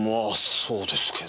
そうですけど。